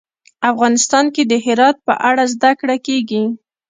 افغانستان کې د هرات په اړه زده کړه کېږي.